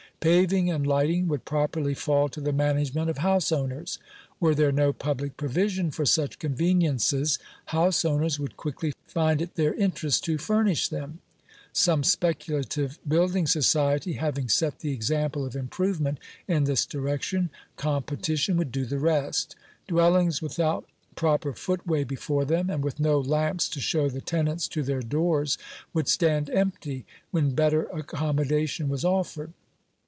Paving and lighting would properly fall to the management of house owners. Were there no public provision for such conveniences* house owner* would quickly find it their interest to furnish them. Some speculative build' ing society having set the example of improvement in this direction, competition would do th* rest. Dwellings without proper footway before them, and with no lamps to show the tenants to their doors, would stand empty, when better accom modation was offered.